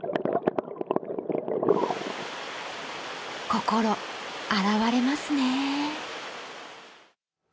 心洗われますね。